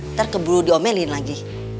ntar keburu diomelin lagi